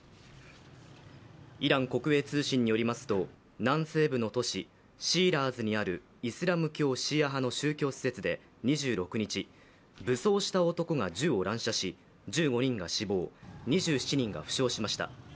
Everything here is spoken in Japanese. イラン国営通信によりますと南西部の都市シーラーズにあるイスラム教シーア派の宗教施設で２６日、武装した男が銃を乱射し１５人が死亡、２７人が負傷しました。